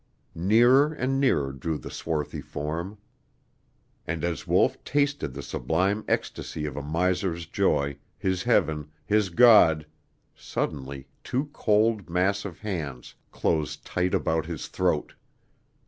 Nearer and nearer drew the swarthy form! And as Wolf tasted the sublime ecstasy of a miser's joy, his heaven, his God, suddenly two cold, massive hands closed tight about his throat.